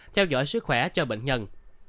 theo dõi sức khỏe cho bệnh nhân